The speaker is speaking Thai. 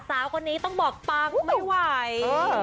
สาวคนนี้ต้องบอกปังไม่ไหว